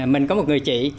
mình có một người chị